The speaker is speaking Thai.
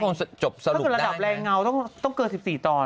ก็คงระดับแรร์เงาต้องเกิด๑๔ตอน